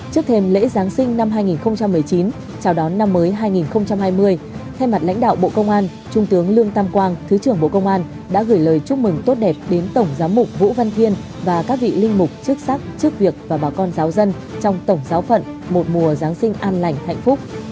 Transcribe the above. trước thêm lễ giáng sinh năm hai nghìn một mươi chín chào đón năm mới hai nghìn hai mươi thay mặt lãnh đạo bộ công an trung tướng lương tam quang thứ trưởng bộ công an đã gửi lời chúc mừng tốt đẹp đến tổng giám mục vũ văn thiên và các vị linh mục chức sắc trước việc và bà con giáo dân trong tổng giáo phận một mùa giáng sinh an lành hạnh phúc